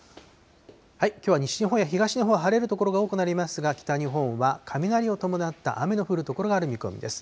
きょうは西日本や東日本、晴れる所が多くなりますが、北日本は雷を伴った雨の降る所がある見込みです。